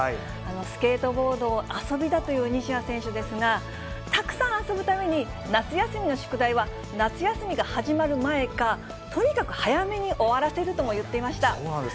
スケートボードを遊びだという西矢選手ですが、たくさん遊ぶために、夏休みの宿題は、夏休みが始まる前か、とにかく早めに終わらせるとも言っていました。